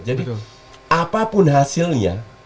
jadi apapun hasilnya